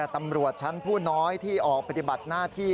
ตำรวจชั้นผู้น้อยที่ออกปฏิบัติหน้าที่